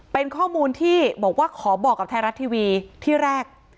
เป็นข้อมูลที่บอกว่าขอบอกกับไทยรัฐทีวีที่แรก